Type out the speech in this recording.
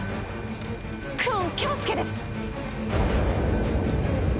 久遠京介です！